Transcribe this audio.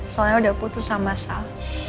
soalnya udah putus sama saus